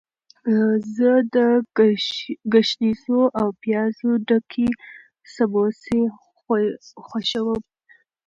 زه د ګشنیزو او پیازو ډکې سموسې خوښوم.